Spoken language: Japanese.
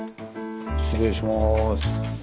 失礼します。